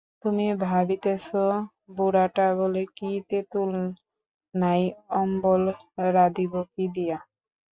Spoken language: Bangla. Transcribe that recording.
তুমি ভাবিতেছ, বুড়াটা বলে কী-তেঁতুল নাই, অম্বল রাঁধিব কি দিয়া?